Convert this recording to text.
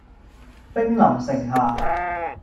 兵臨城下